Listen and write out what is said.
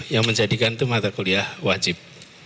yang menjadikan itu mata kuliah wajib